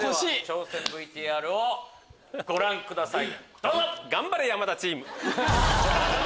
挑戦ＶＴＲをご覧ください！